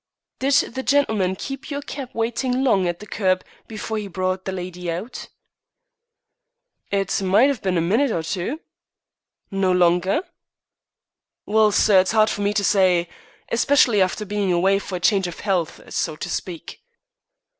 "Did the gentleman keep your cab waiting long at the kerb before he brought the lady out?" "It might 'a' bin a minute or two?" "No longer?" "Well, sir, it's 'ard for me to say, especially after bein' away for a change of 'ealth, so to speak."